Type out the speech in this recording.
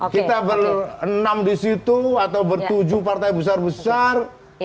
kita berenam di situ atau bertujuh partai besar besar